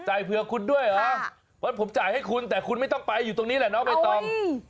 เผื่อคุณด้วยเหรอเพราะผมจ่ายให้คุณแต่คุณไม่ต้องไปอยู่ตรงนี้แหละน้องใบตอง